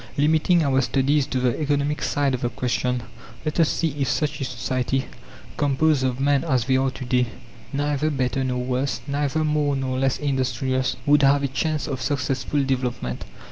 Limiting our studies to the economic side of the question, let us see if such a society, composed of men as they are to day, neither better nor worse, neither more nor less industrious, would have a chance of successful development.